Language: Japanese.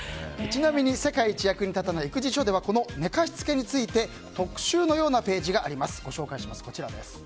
ちなみに「世界一役に立たない育児書」ではこの寝かしつけについて特集のようなページがあります。